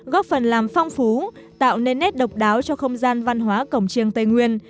góp phần làm phong phú tạo nền nét độc đáo cho không gian văn hóa cổng trương tây nguyên